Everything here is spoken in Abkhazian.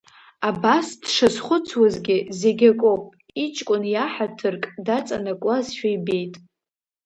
Абас дшазхәыцуазгьы, зегьакоуп, иҷкәын иаҳаҭырк даҵанакуазшәа ибеит.